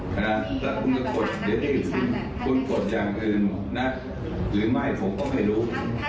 คุณค่อนแห่งอื่นนะหรือไม่ผมก็ไม่รู้